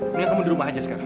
biar kamu di rumah aja sekarang